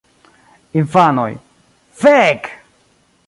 Infanoj: "Fek!"